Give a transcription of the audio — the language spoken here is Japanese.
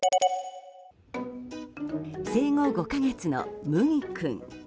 生後５か月のむぎ君。